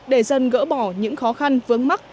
để dần gỡ bỏ những khó khăn vướng mắt